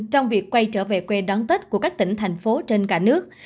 trong việc quay trở về quê đón tết của các tỉnh thành phố trên cả nước